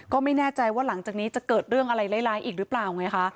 ก็ไม่แน่ใจว่าหลังจากนี้จะเกิดเรื่องอะไรร้ายอีกหรือเปล่าไงคะ